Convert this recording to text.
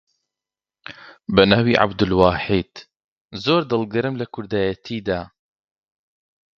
بە ناوی عەبدولواحید، زۆر دڵگەرم لە کوردایەتیدا